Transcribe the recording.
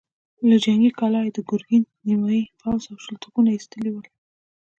له جنګي کلا يې د ګرګين نيمايي پوځ او شل توپونه ايستلي ول.